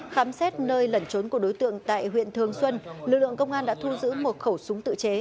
khám xét nơi lẩn trốn của đối tượng tại huyện thường xuân lực lượng công an đã thu giữ một khẩu súng tự chế